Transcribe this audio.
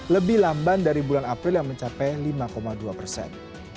lebih lamban dari bulan april yang mencapai lima dua persen